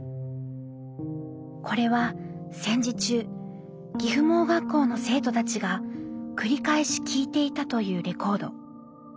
これは戦時中岐阜盲学校の生徒たちが繰り返し聴いていたというレコード。